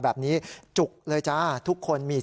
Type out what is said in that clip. ค้าเป็นผู้ชายชาวเมียนมา